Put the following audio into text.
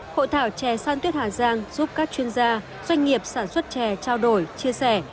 hội thảo chè san tuyết hà giang giúp các chuyên gia doanh nghiệp sản xuất chè trao đổi chia sẻ